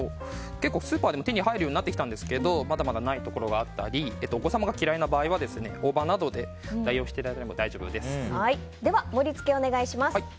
スーパーでも手に入るようになってきたんですがまだまだないところがあったりお子様が嫌いな場合は大葉などで代用していただいてもでは、盛り付けお願いします。